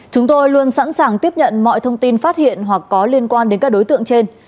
chúng tôi luôn sẵn sàng tiếp nhận mọi thông tin phát hiện hoặc có liên quan đến các đối tượng trên